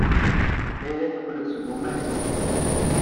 Layla teqqel-d seg umahil.